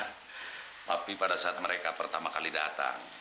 tapi pada saat mereka pertama kali datang